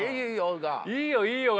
「いいよいいよ」が。